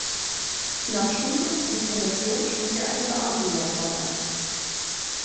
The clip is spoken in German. Nach Studium und Promotion schlug er eine Beamtenlaufbahn ein.